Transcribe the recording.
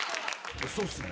そうっすね。